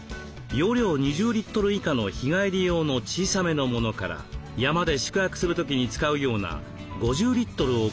容量２０リットル以下の日帰り用の小さめのものから山で宿泊する時に使うような５０リットルを超えるものまであります。